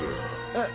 えっ？